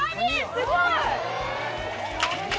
すごい！